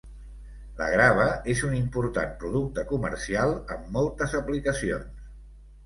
La grava és un important producte comercial amb moltes aplicacions.